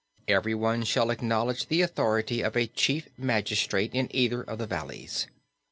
Everyone shall acknowledge the authority of a chief magistrate in either of the valleys.